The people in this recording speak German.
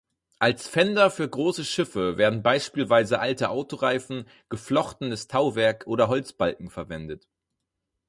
Als Fender für große Schiffe werden beispielsweise alte Autoreifen, geflochtenes Tauwerk oder Holzbalken verwendet.